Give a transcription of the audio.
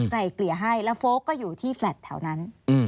ไก่เกลี่ยให้แล้วโฟล์คก็อยู่ที่แถวนั้น